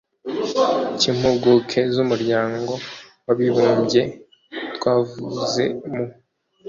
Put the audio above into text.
k'impuguke z'umuryango w'abibumbye twavuze mu